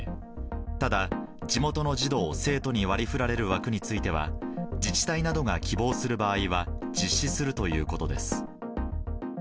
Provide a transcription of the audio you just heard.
ただ、地元の児童・生徒に割りふられる枠については、自治体などが希望する場合は、実施するということです。